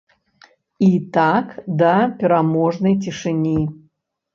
І так да пераможнай цішыні.